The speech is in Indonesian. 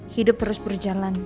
hidup terus berjalan